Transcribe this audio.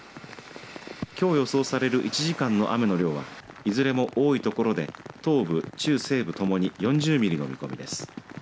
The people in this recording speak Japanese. きょう予想される１時間の雨の量はいずれも多いところで東部、中西部ともに４０ミリの見込みです。